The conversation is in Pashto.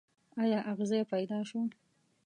ایا اغزی پیدا شو.